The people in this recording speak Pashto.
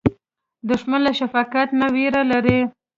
دښمن له شفقت نه وېره لري